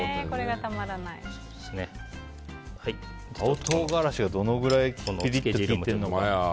青唐辛子がどのくらい効いてるのか。